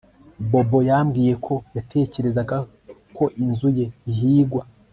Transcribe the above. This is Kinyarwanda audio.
Bobo yambwiye ko yatekerezaga ko inzu ye ihigwa